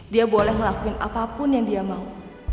dia boleh ngelakuin apapun yang dia mau